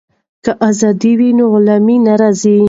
که ازادي وي نو غلامي نه راځي.